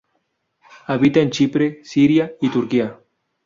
Habita en Chipre, Siria y Turquía.